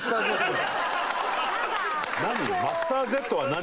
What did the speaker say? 何？